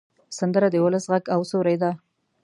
سندره د ولس غږ او سیوری ده